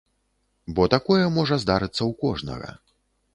Бо такое можа здарыцца ў кожнага.